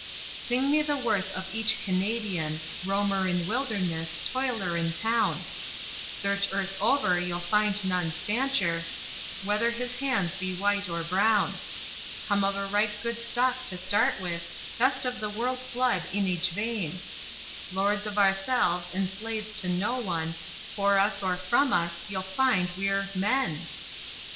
Sing me the worth of each Canadian, Roamer in wilderness toiler in town Search earth over you'll find none stancher, Whether his hands be white or brown; Come of a right good stock to start with, Best of the world's blood in each vein; Lords of ourselves, and slaves to no one, For us or from us, you'll find we're MEN!